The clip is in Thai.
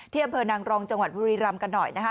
อำเภอนางรองจังหวัดบุรีรำกันหน่อยนะคะ